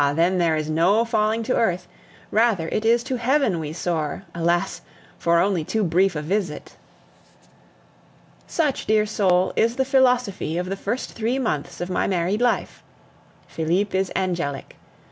then there is no falling to earth, rather it is to heaven we soar, alas! for only too brief a visit. Such, dear soul, is the philosophy of the first three months of my married life. Felipe is angelic.